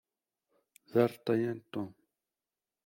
D arṭayan Tom.